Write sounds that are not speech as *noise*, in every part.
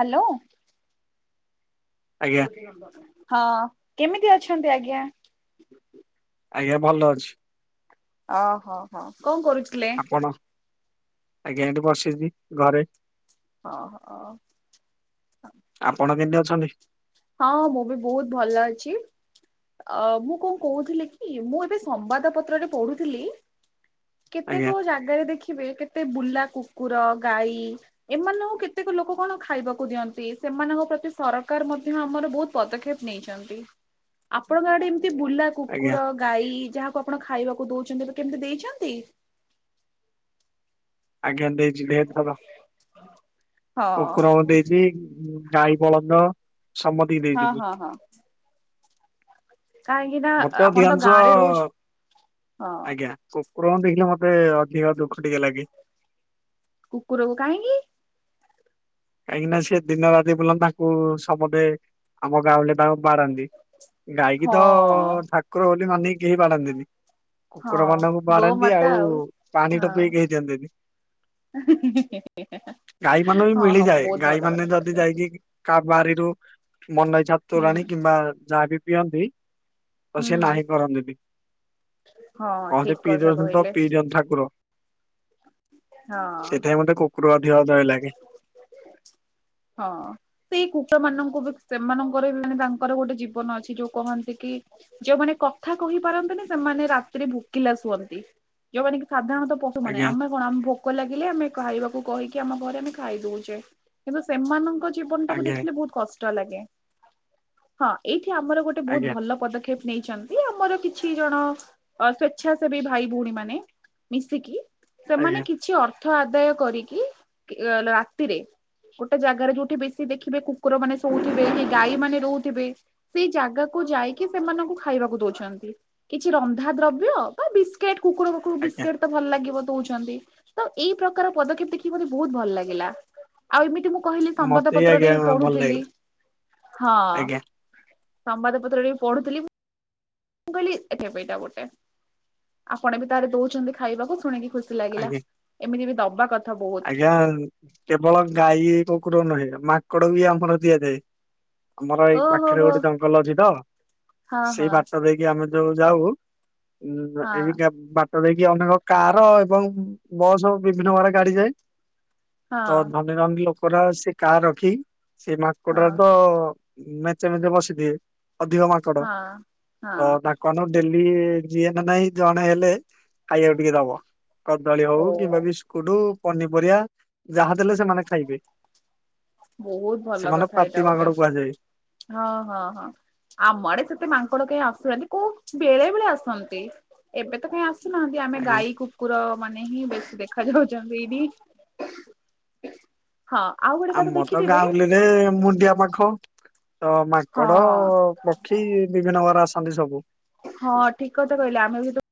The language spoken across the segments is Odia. ହାଲୋ। ଆଜ୍ଞା ହଁ କେମିତି ଅଛନ୍ତି ଆଜ୍ଞା? ଆଜ୍ଞା ଭଲ ଅଛି। ଓ ହୋ ହୋ କଣ କରୁଥିଲେ? ଆଜ୍ଞ ଏଠି ବସିଛି ଘରେ। ଅ ହ। ଆପଣ କେମିତି ଅଛନ୍ତି? ହଁ ମୁଁ ବି ବହୁତ ଭଲ ଅଛି। ଅ ମୁଁ କଣ କହୁଥିଲି କି ମୁଁ ଏବେ ସମ୍ବାଦ ପତ୍ରରେ ପଢୁଥିଲି। କେତେ ଆଜ୍ଞା କୋଉ ଜାଗାରେ ଦେଖିବେ କେତେ ବୁଲା କୁକୁର, ଗାଈ। ଏମାନଙ୍କୁ କେତେକ ଲୋକ କଣ ଖାଇବାକୁ ଦିଅନ୍ତି ସେମାନଙ୍କ ପ୍ରତି ସରକାର ମଧ୍ୟ ଆମର ବହୁତ ପଦକ୍ଷେପ ନେଇଛନ୍ତି ଆପଣଙ୍କ ଆଡେ ଏମିତି ବୁଲା ଆଜ୍ଞା କୁକୁର, ଗାଈ ଯାହାକୁ ଆପଣ ଖାଇବାକୁ ଦଉଛନ୍ତି କେବେ ଦେଇଛନ୍ତି? ଆଜ୍ଞା ଦେଇଚି ଦେହ ଥର ହଁ କୁକୁର କୁ ଦେଇଛି। ଗାଈ ବଳଦ ସମ- ହଁ ହଁ ହଁ। କାହିଁକି ନା ମତେ ଆପଣ ତ ଅଧିକାଂଶ ଗାଁ ରେ ରହୁଛ ହଁ ଆଜ୍ଞା କୁ କୁକୁରଙ୍କୁ ଦେଖିଲେ ମତେ ଅଧିକ ଦୁଃଖ ଟିକେ ଲାଗେ। କୁକୁରକୁ କାହିଁକି? କାହିଁକିନା ସେ ଦିନ ରାତି ବୁଲନ୍ତ ତାଙ୍କୁ ସମତେ ଆମ ଗାଁଉଁଲିରେ ତାଙ୍କୁ ବାଡାନ୍ତି। ଗାଈକି ତ ହଁ ଠାକୁର ବୋଲି ମାନି କେହି ବାଡାନ୍ତିନି। କୁକୁର ହଁ ମାନଙ୍କୁ ବାଡାନ୍ତି ଗୋମାତା ଆଉ ପାଣି ଟୋପେ ବି କେହି ଦିଅନ୍ତି ନି। ହଁ ହଉ। ଯାଏ ଗାଈ ମାନେ ଯଦି ଯାଇକି କା ବାରିରୁ ମନ ଇଚ୍ଛା ହୁଁ ତୋରାଣି କି ବା ଯାହା ବି ପିଅନ୍ତି ତ ହୁଁ ସେ ନାହିଁ କରନ୍ତିନି। ହଁ କହନ୍ତି ଠିକ ପିଇ କଥା ଦିଅନ୍ତିତ କହିଲେ ପିଇଦିଅନ୍ ଠାକୁର। ହଁ ସେଇଥିପାଇଁ ମତେ କୁକୁର ଅଧିକ ଦୟା ଲାଗେ। ହଁ। ସେଇ କୁର ମାନଙ୍କୁ ବି ସେମାନଙ୍କର ବି ମାନେ ତାଙ୍କର ଗୋଟେ ଜୀବନ ଅଛି ଯୋଉ କହନ୍ତି କି ଯୋଉମାନେ କଥା କହିପାରନ୍ତିନି ସେମାନେ ରାତିରେ ଭୋକିଲା ଶୁଅନ୍ତି ଯୋଉମାନେ କି ସାଧାରଣତଃ ପ ମାନେ ଆଜ୍ଞା ଆମେ କଣ ଆମ ଭୋକ ଲାଗିଲେ ଆମେ ଖାଇବାକୁ କହିକି ଆମ ଘରେ ଆମେ ଖାଇ ଦଉଛେ କିନ୍ତୁ ସେମାନଙ୍କ ଜୀବନ ଟାକୁ ଆଜ୍ଞା ଦେଖିଲେ ବହୁତ କଷ୍ଟ- ଷ୍ଟ ଲାଗେ ହଁ ଏଇଠି ଆମର ଗୋଟେ ବହୁତ ଆଜ୍ଞା ଭଲ ପଦକ୍ଷେପ- ନେଇଛନ୍ତି ଆମର କିଛି ଜଣ ଅ ସ୍ଵେଚ୍ଛାସେବୀ ଭାଇ ଭଉଣୀ ମାନେ ମିଶିକି। ଆଜ୍ଞା ସେମାନେ କିଛି ଅର୍ଥ ଆଦାୟ କରିକି କି ରାତିରେ। ଗୋଟେ ଜାଗାରେ ଯୋଉଠି ବେଶି ଦେଖିବେ କୁକୁର ମାନେ ଶୋଉଥିବେ କି ଗାଈ ମାନେ ରହୁଥିବେ। ସେଇ ଜାଗାକୁ ଯାଇକି ସେମାନଙ୍କୁ ଖାଇବାକୁ ଦଉଛନ୍ତି। କିଛି ରନ୍ଧା ଦ୍ରବ୍ୟ ବା ବିସ୍କେଟ କୁକୁର କୁ ଆଜ୍ଞା ବିସ୍କେଟ ତ ଭଲ ଲାଗିବ ଦୋଉଚନ୍ତି। ତ ଏଇ ପ୍ରକାର ପଦକ୍ଷେପ ଦେଖିକି ମତେ ବହୁତ୍ ଭଲ ଲାଗିଲା। ଆଉ ଏମିତି ମୁଁ କହିଲି ସମ୍ବାଦ ମତେ ବି ପତ୍ରରେ ଆଜ୍ଞା ଭଲ ପଢୁଥିଲି ଲାଗିଲା ହଁ। ଆଜ୍ଞା ସମ୍ବାଦ ପତ୍ରରେ ପଢ଼ୁଥିଲିମ୍। ମୁଁ କହିଲି ଏଇଟା ବେଇଟା ଗୋଟେ ଆପଣ ବି ତାହେଲେ ଦୋଉଚନ୍ତି ଖାଇବାକୁ ଶୁଣିକି। ଖୁସି ଲାଗିଲା ଏମିତି ବି ଦବା କଥା ବହୁତ୍। ଜ୍ଞା କେବଳ ଗାଈ କୁକୁରକୁ ନୁହେଁ। ମାଙ୍କଡକୁ ବି ଆମର ଦିଆଯାଏ। ଆମର ଏଇ ଓହୋ ପାଖରେ ହୋ ଗୋଟେ ଜଙ୍ଗଲ ଅଛି ତ ହଁ ସେଇ ହଁ ବାଟ ଦେଇ- କିଆମେ ଯୋଉ ଯାଉ ହଁ ହଁ। ଏମିତିକା ବା- ତ ଦେଇକି ଅନେକ କାର ଏବଂ ବସ୍ ବିଭିନ୍ନ ପ୍ରକାର ଗାଡି ଯାଏ। ତ ଧନୀରନୀ ଲୋକର ସେ କାର ରଖି ସେ ମାଙ୍କଡର ହଁ ତ ମେଞ୍ଚେ ମେଞ୍ଚେ ବସିଥିବେ ଅଧିକ ମାଙ୍କଡ। ହଁ ଅ ହଁ ତା କନ ଡେଲି ଯିଏନେ ନାହିଁ ଜଣେ ହେଲେ ଖାଇବାକୁ ଟିକିଏ ଦବ। କଦଳୀ ଓ ହୋଉ କିମ୍ବା ବିସ୍କୁଟୁ ପନିପରିବା ଯାହା ଦେଲେ ସେମାନେ ଖାଇବେ। ବହୁତ୍ ଭଲ ସେମାନେ କଥା ପାତି ଏଇଟା ମାଙ୍କଡ ଗୋଟେ କୁହାଯାଏ। ହଁ ହଁ ହଁ। ଆମ ଆଡେ ସେତେ ମାଙ୍କଡ କେହି ଆସିବେନି କୋଉ ବେଳେ ବେଳେ ଆସନ୍ତି। ଏବେ ତ କାହିଁ ଆସୁନାହାନ୍ତି ଆମେ ଆଜ୍ଞା ଗାଈକୁ କୁକୁର ମାନେ ହିଁ ବେଶୀ ଦେଖା ଯାଉଛନ୍ତି ଏଇଠି। ହଁ ଆଉ ଗୋଟେ କଥା ଆମ ଦେ ତ ଗାଁଉଲିରେ ମୁଣ୍ଡିଆ ପାଖ ତ ହଁ ମାଙ୍କଡ ପ ପଖି ବିଭିନ୍ନ ପ୍ରକାରର ଆସନ୍ତି ସବୁ। ହଁ ଠିକ୍ କଥା କହିଲ ଆମେ ବିତ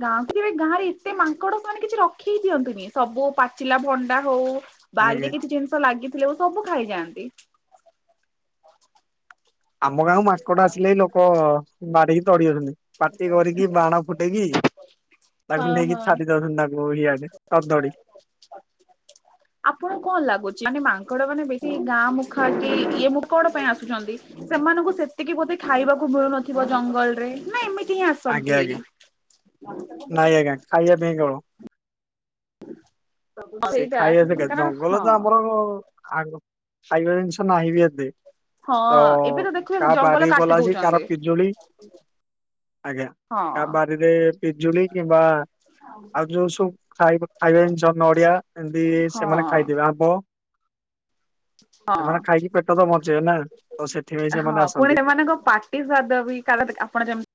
ଗାଁ ଗାଁ ରେ ଏତେ ମାଙ୍କଡମାନେ କିଛି ରଖି ଦିଅନ୍ତିନି ସବୁ ପାଚିଲା ଭଣ୍ଡା ହୋଉ- ଆଜ୍ଞା। ବାରିରେ କିଛି ଜିନିଷ ଲାଗିଥିଲେ ସବୁ ଖାଇଯାଆନ୍ତି। ଆମ ଗାଁକୁ ମାଙ୍କଡ ଆସିଲେ ଲୋକ ବାଡେଇକି ତଡି ଦୋଉଚନ୍ତି। ପାଟି କରିକି ବାଣ ଫୁଟେଇକି- ତାକୁ ହଁ ନେଇକି ହଁ। ଛାଡ଼ିଦୋଉଚନ୍ତି ତାଙ୍କୁ ଇଆଡେ ହଦଡି। *inaudible* ଆପଣଙ୍କୁ କଣ ଲାଗୁଚି? ମାନେ ମାଙ୍କଡ ମାନେ ବେଶୀ ଗାଁ ମୁଖା ହେଇକି ଇଏ ମୁଁ କଣ ପାଇଁ ଆସୁଚନ୍ତି? ସେମାନଙ୍କୁ ସେତିକି ବୋଧେ ଖାଇବାକୁ ମିଳୁନଥିବ ଜଙ୍ଗଲ ରେ ନା ଏମିତି। କି ଆଜ୍ଞା ଆଜ୍ଞା ଆସନ୍ତି। ନାଇଁ ଆଜ୍ଞା ଖାଇବା ପାଇଁ ନୁହଁ। ସେ ସେଇଟା ଖାଇବେ କେତେ କାରଣ ଜଙ୍ଗଲ ହଁ ତ ଆମର ଆଗୁରୁ ଖାଇବା ଜିନିଷ ନାହିଁ ବି ଏତେ। ହଁ ତ ଏବେ ତ ଦେଖିବେ କା ଜଙ୍ଗଲ ବାରି କାଟି ଭଲ ଅଛି ଦଉଛନ୍ତି। କାର ପିଜୁଳି। ଆଜ୍ଞା ହଁ କା ବାରିରେ ପିଜୁଳି କିମ୍ବା ଆଉ ଯୋଉ ସୋବୁ ଖାଇବା ଖାଇବା ଜିନିଷ ନଡିଆ ଏମିତି ହଁ ସେମାନେ ଖାଇଦେବେ ଆମ୍ବ। ତ ହଁ। ସେମାନେ ଖାଇକି ପେଟତ ବଞ୍ଚେଇବେ ନା ତ ସେଥିପାଇଁ ସେମାନେ ଆସନ୍ତି। ତାଙ୍କ ପାଟ୍ ଇଏ ଦାଟ ଦ ଉଇକ ତାଦେହରେ ଆପଣ ଯାଉଛନ୍ତି।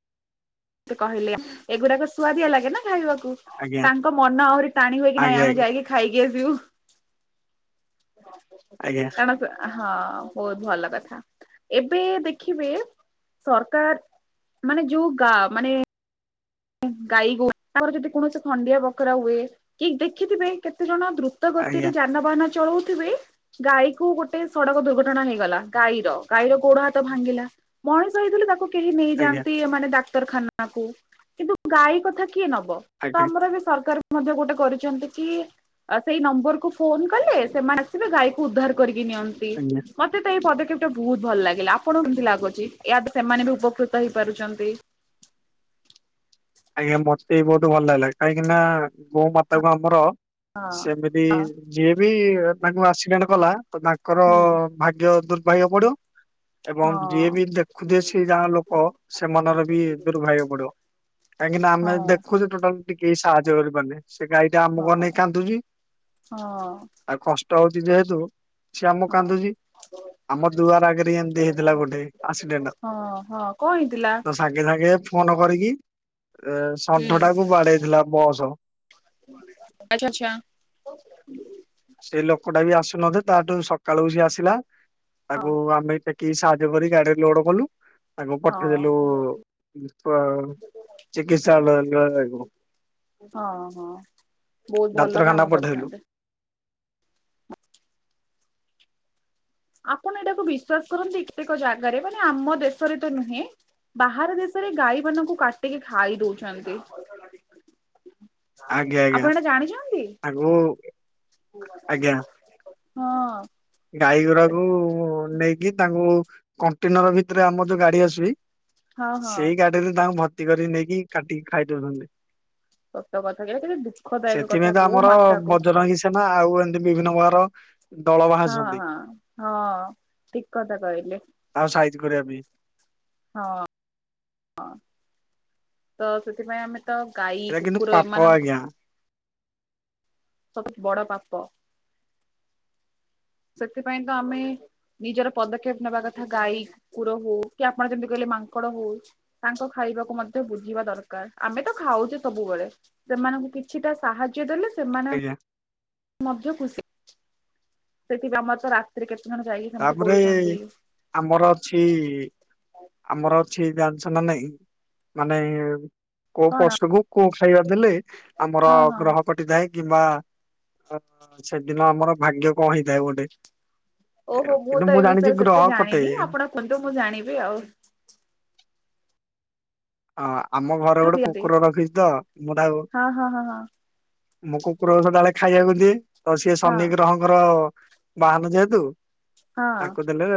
ତ କହିଲେ ଏଗୁଡାକ ସୁଆଦିଆ ଲାଗେ ନା ଖାଇବାକୁ। ଆଜ୍ଞା ତାଙ୍କ ମନ ଆହୁରି ଟାଣି ହୋଇକି ନାଇଁ ଆଜ୍ଞା ଆମେ ଆଜ୍ଞା ଯାଇଏ। ଖାଇକି ଆସିବୁ। ଆଜ୍ଞା କହନ୍ତୁ ହଁ ବହୁତ ଭଲ କଥା। ଏବେ ଦେଖିବେ ସରକାର ମାନେ ଯୋଉ ଗାଁ ମାନେ- ଗାଈ ଗୋରୁର ଯଦି କୌଣସି ଖଣ୍ଡିଆ ବଖରା ହୁଏ କି ଦେଖିଥିବେ କେତେ ଜଣ ଦ୍ରୁ ତ ଗତିରେ ଆଜ୍ଞା ଯାନବାହାନ ଚଳଉଥିବେ ଗାଈ କୁ ଗୋଟେ ସଡକ ଦୁର୍ଘଟଣା ହେଇଗଲା ଗାଈର ଗାଈର ଗୋଡ ହାତ ଭାଙ୍ଗିଲା ମଣିଷ ହେଇଥିଲେ ତାକୁ କେହି ଆଜ୍ଞା ନେଇଯାଆନ୍ତି ଏ ମାନେ ଡାକ୍ତରଖାନା କ କିନ୍ତୁ ଗାଈ କଥା କିଏ ନବ? ତ ଆଜ୍ଞା ଆମର ବି ସରକାର ବି ମଧ୍ୟ ଗୋଟେ କରିଛନ୍ତି କି ଆଉ ସେଇ ନମ୍ବରକୁୁ ଫୋନ କଲେ ସେମାନେ ଆସିବେ ଗାଈକୁ ଉଦ୍ଧାର କରିକି ନିଅନ୍ତି। ଆଜ୍ଞା ମତେ ତ ଏଇ ପଦକ୍ଷେପ ଟା ବହୁତ ଭଲ ଲାଗିଲା ଆପଣଙ୍କୁ କେମିତି ଲାଗୁଛି ୟା ତ ସେମାନେ ବି ଉପକୃତ ହେଇପାରୁଛନ୍ତି। ଆଜ୍ଞା ମତେ ବି ବହୁତ ଭଲ ଲାଗିଲା କାହିଁକିନା ଗୋଉ ମାତା କୁ ଆମର ହଁ ସେମିତି ହଁ ଯିଏ ବି ତାଙ୍କୁ ଆସିଲେଣ୍ଟ କଲା ତ ତାଙ୍କର ହୁଁ ଭାଗ୍ୟ ଦୁର୍ଭାଗ୍ୟ ପଡିବ ଏବଂ ଯିଏ ହଁ ବି ଦେଖୁଥେ ସେ ଯାହା ଲୋକ ସେମାନର ବି ଦୁର୍ଭାଗ୍ୟ *unintelligible* କାହିଁକି ନା ଆମେ ହଁ ଦେଖୁଛୁ ଟୋଟାଲ ଟିକେ ଇ ସାହାଯ୍ୟ କରିପାରୁନେ। ସେ ଗାଈ ଟା ଆମକୁ ଅନେଇକି ହଁ କାନ୍ଦୁଛି ହଁ ଆଉ କଷ୍ଟ ହଉଛି ଯେହେତୁ ସେ ଆମ ହଁ କାନ୍ଦୁଛି ଆମର ଦୁଆର ଆଗରେ ଏମିତି ହେଇଥିଲା ଗୋଟେ ଆସଡ଼େଣ୍ଟ ହଁ ହଁ କଣ ହେଇଥିଲା? ତ ସାଙ୍ଗେ ସାଙ୍ଗେ ଫୋନ କରିକି ଏ ହୁଁ ଷଣ୍ଢଟାକୁ ବାଡେଇଥିଲା ବସ୍ ଆଚ୍ଛା ଆଚ୍ଛା। ହ ସେ ଲୋକଟା ବି ଆସୁନଥିଲେ ତାଠୁ ସକାଳୁ ସି ଆସିଲା ତାକୁ ଆମେ କି ସାହାଯ୍ୟ କରି ଗାଡିରେ ଲୋଡ କଲୁ ଆ ହଁ ପଟେଇଦେଲୁ ହଁ ଚିକିତ୍ସାଳୟ ଆ ହଁ ହଁ ବହୁତ ଭଲ ଡାକ୍ତରଖାନା କାମ ପଠେଇଲୁ କରିଛନ୍ତି। ଆପଣ ଏଇଟାକୁ ବିଶ୍ଵାସ କରନ୍ତି କେତେକ ଜାଗାରେ ମାନେ ଆମ ଦେଶରେ ତ ନୁହେଁ ବାହାର ଦେଶରେ ଗାଈ ମାନଙ୍କୁ କାଟିକି ଖାଇ ଦଉଛନ୍ତି। ଆଜ୍ଞା ଆଜ୍ଞା ଆପଣ ଏଇଟା ଜାଣିଛନ୍ତି? ତାଙ୍କୁ ହଁ। ଗାଈ ଗୁରାକୁ ନେଇକି ତାଙ୍କୁ କଣ୍ଟେନର ଭିତରେ ଆମର ଯୋଉ ଗାଡି ଆସି ହଁ ହଁ ସେଇ ଗାଡିରେ ତାଙ୍କୁ ଭର୍ତ୍ତି କରି ନେଇକି କାଟିକି ଖାଇଦଉଛନ୍ତି। ସତ କଥା ଏଇଟା କେତେ ଦୁଃଖଦାୟକ କଥା ସେଥିପାଇଁ ତ ଗୋ ଆମର ମାତାକୁ ବଜରଙ୍ଗୀ ସେନୀ ଆଉ ଏମତି ବିଭିନ୍ନ ପ୍ରକାର ଦଳ ହଁ ବାହାରିଛନ୍ତି। ହଁ ହଁ ଠିକ କଥା କହିଲେ। ଆଉ ସାଇଜ୍ କରିବା ପାଇଁ। ହଁ। ହଁ ତ ସେଥିପାଇଁ ଆମେ ତ ଗାଈ ଏଇଟା କିନ୍ତୁ କୁକୁର ପାପ ଏମାନଙ୍କୁ ଆଜ୍ଞା ସବୁଠୁ ବଡ ପାପ। ସେଥିପାଇଁ ତ ଆମେ ନିଜର ପଦକ୍ଷେପ ନେବା କଥା ଗାଈ କୁକୁର ହଉ କି ଆପଣ ଯେମିତି କହିଲେ ମାଙ୍କଡ ହଉ ତାଙ୍କ ଖାଇବାକୁ ମଧ୍ୟ ବୁଝିବା ଦରକାର ଆମେ ତ ଖାଉଛେ ସବୁବେଳେ ସେମାନଙ୍କୁ କିଛିଟା ସାହାଯ୍ୟ ଦେଲେ ସେମାନେ ଆଜ୍ଞା। ମଧ୍ୟ ଖୁସି। ସେଇଠି ଆମର ତ ରାତିରେ କେତେ ଜଣ ଯାଇକି ସେମିତି ତାପରେ କରୁଛନ୍ତି ଆମର ଅଛି ଆମର ଅଛି ଜାଣିଛ ନା ନାଇଁ ମାନେ କୋଉ କଣ ପଶୁକୁ କୋଉ ଖାଇବା ଦେଲେ ଆମର ହଁ ହଁ ଗ୍ରହ କଟିଥାଏ। କିମ୍ବା ଅ ସେଦିନ ଆମର ଭାଗ୍ୟ କଣ ହେଇଥାଏ ଗୋଟେ। ଓହୋ ମୁଁ କିନ୍ତୁ ତ ଏ ଜାଣିଛି ବିଷୟରେ ଗ୍ରହ ସେତେ କଟେ ଜାଣିନି ହଁ ଆପଣ କୁହନ୍ତୁ ମୁଁ ଜାଣିବି ଆଉ। ହଁ ଆମ ଘରେ ଗୋଟେ ଦିଅନ୍ତି କୁକୁର ରଖିଛି ତ ମୁଁ ତାକୁ ହଁ ହଁ ହଁ ମୁଁ କୁକୁର ସଦାବେଳେ ଖାଇବାକୁ ଦିଏ ତ ସିଏ ହଁ ଶନି ଗ୍ରହ ଙ୍କର ବାହାନ ଯେହେତୁ ହଁ ତାକୁ ହଁ ଦେଲେ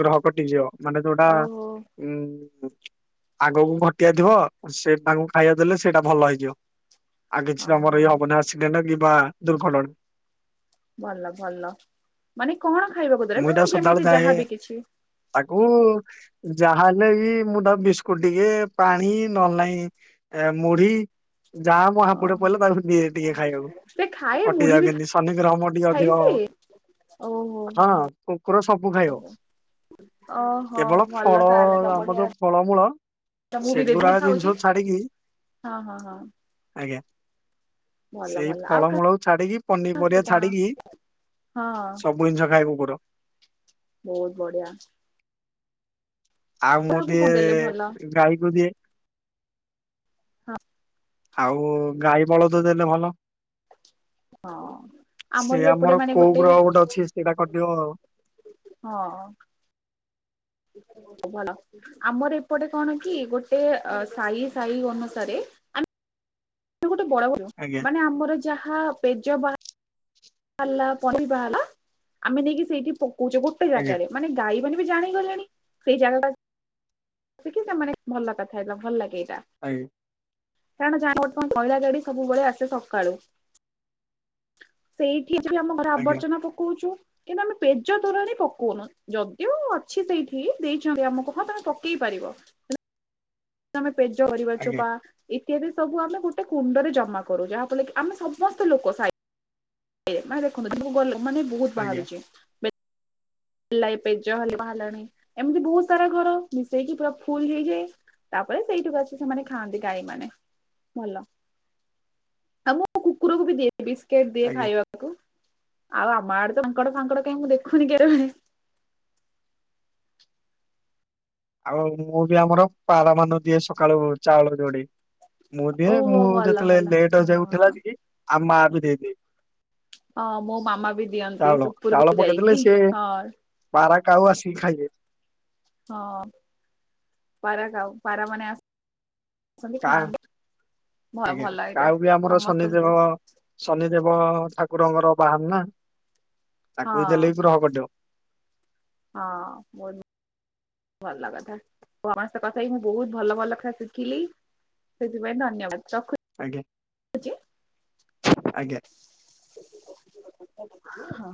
ଗ୍ରହ କଟି ଯିବ। ମାନେ ଯୋଉଟା ଓହୋ ଉ ଆଗକୁ ଘଟୁ ବାଜୁ ଥିବ ସେ ତାଙ୍କୁ ଖାଇବା ଦେଲେ ସେଇଟା ଭଲ ହେଇଯିବ ଆଉ କିଛି ତମର ଓହୋ ଏଇ ହବନି ଆସି ଡେଣ୍ଟ୍ କି ବା ଦୁର୍ଘଟଣା। ଭଲ ଭଲ ମାନେ କଣ ଖାଇବାକୁ ଦେଲେ ମୁଁ ନା ଏଇଟା ସଦାବେଳେ ଯେମିତି ଚାହେଁ ଯାହାବି କିଛି। ତାକୁ ଯାହା ହେଲେ ବି ମୁଁ ତା ବିସ୍କୁଟ ଟିକେ ପାଣି ନହଲେ ନାଇଁ ଏ ମୁଢି ଯାହା ମୁଁ ଓ ହାବୁଡେ ପଇଲା ତାକୁ ଦିଏ ଟିକେ ଖାଇବାକୁ ସେ ଖାଏ ମୁଢି କଟିଯାଉ ବି କେମତି ଶନିଗ୍ରହ ମୋର ଟିକେ ଖାଏ ଅଧିକ ସେ ଓହୋ ହଁ ହୋ ହୋ କୁକୁର ସବୁ ଖାଇବ। ଓହୋ କେବଳ ଭଲ ଫଳ ତାହେଲେ ତ ଆମ ବଢିଆ ଯୋଉ ଫଳମୂଳ କଥା ମୁଁ ବି ସେଗୁରା ଦେବି ଖାଉଛି ଜିନିଷୁ ଛାଡିକି ହଁ ହଁ ହଁ ଆଜ୍ଞା। ଭଲ ସେଇ ଭଲ ଆଉ ଫଳମୂଳକୁ ଛାଡିକି କାହାକୁ ପନିପରିବା କଣ ଛାଡିକି ହଁ ସବୁ ଜିନିଷ ଖାଏ କୁକୁର। ବହୁତ ବଢିଆ। ଆଉ ମୁଁ କାହାକୁ ଟିଏ କଣ ଦେଲେ ଭଲ ଗାଈକୁ ଦିଏ। ହଁ। ଆଉ ଗାଈ ବଳଦ ଦେଲେ ଭଲ। ହଁ ସେ ବି ଏପଟେ ଆମର ମାନେ କୋଉ ଗ୍ରହ ଗୋଟେ ଅଛି ସେଇଟା କଟିବ ଆଉ। ହଁ। ଭଲ ଆମର ଏପଟେ କଣ କି ଗୋଟେ ଅ ସାହି ସାହି ଅନୁସାରେ *unintelligible* ଗୋଟେ *unintelligible* ଆଜ୍ଞା। ମାନେ ଆମର ଯାହା ପେଜ ବା ବାହାରିଲା ପରିବା ହେଲା ଆମେ ନେଇକି ସେଇଠି ପକଉଛେ ଗୋଟେ ଆଜ୍ଞା ଜାଗାରେ। ମାନେ ଗାଈ ମାନେ ବି ଜାଣି ଗଲେଣି ସେଇ ଜାଗା ଟା କି ସେମାନେ ଭଲ କଥା ଏଇଟା ଭଲ ଲାଗେ ଏଇଟା। ଆଜ୍ଞ। କାରଣ ଯା ବର୍ତ୍ତମାନ ମଇଳା ଗାଡି ସବୁବେଳେ ଆସେ ସକାଳୁ। ସେଇଠି *inaudible* ଆମ ଘର ଆଜ୍ଞା ଆବର୍ଜନା ପକଉଛୁ କିନ୍ତୁ ଆମେ ପେଜ ତୋରାଣୀ ପକଉନୁ ଯଦିଓ ଅଛି ସେଇଠି ଦେଇଛନ୍ତି ଆମକୁ ହଁ ତମେ ପକେଇ ପାରିବ। ତମେ ପେଜ ପରିବା ଆଜ୍ଞା ଚୋପା ଇତ୍ୟାଦି ସବୁ ଆମେ ଗୋଟେ କୁଣ୍ଡରେ ଜମା କରୁ ଯାହାଫଳରେ କି ଆମେ ସମସ୍ତ ଲୋକ ଶାଇ ମାନେ ଦେଖନ୍ତୁ ତ ମୁଁ ଗ ମାନେ ବହୁତ ଆଜ୍ଞା ବାହାରୁଛି ହେଲ ପେଜ ହେଲେ ବାହାରିଲାଣି ଏମିତି ବହୁତ ସାରା ଘର ମିଶେଇକି ପୁରା ଫୁଲ ହେଇକି ତାପରେ ସେଇଠକୁ ଆସି ସେମାନେ ଖାଆନ୍ତି ଗାଈ ମାନେ ଭଲ। ଆଉ ମୁ କୁକୁର କୁ ବିି ଦିଏ ବିସ୍କୁଟ ଦିଏ ଆଜ୍ଞା। ଖାଇବାକୁ ଆଉ ଆମ ଆଡେ ତ ମାଙ୍କଡ ଫାଙ୍କଡ କାହିଁ ମୁଁ ଦେଖୁନି କେବେ। ଆଉ ମୁଁ ବି ଆମର ପାରା ମାନ ଦିଏ ସକାଳୁ ଚାଉଳ ଯୋଡି ମୁଁ ଦିଏ ଓହୋ ମୁଁ ଭଲ ଯେତେଳେ ଭଲ ଲେଟ୍ ଯାଇ ହଁ। ଉଠିଲା ଅସିକି ଆଉ ମୋ ମା ବି ଦେଇଦିଏ। ହଁ ମୋ ମାମା ବି ଦିଅନ୍ତି ଚାଉଳ। ଚାଉଳ ସୁପୁରକୁ ପକେଇଦେଲେ ଯାଇକି ସିଏ ହଁ। ପାରା କାଉ ଆସିକି ଖାଇବେ। ହଁ। ପାରା କାଉ ପାରା ମାନେ ଆସ କା ଆଜ୍ଞା ଭଲ ଏଇଟା ଆଉ ବି ଆମର ସମସ୍ତଙ୍କୁ ଶନିଦେବ ଶନିଦେବ ଠାକୁରଙ୍କର ବାହାନ ନା। ହଁ ତାଙ୍କୁ ବି ଦେଲେ ବି ଗ୍ରହ କଟିବ। ହଁ ଭଲ। ଭଲ କଥା। ତମ ସହ କଥା ହେଇ ମୁଁ ବହୁତ ଭଲ ଭଲ କଥା ଶିଖିଲି। ସେଥିପାଇଁ ଧନ୍ୟବାଦ ରଖୁ ଆଜ୍ଞା ଆଜ୍ଞା। ହ ହଁ।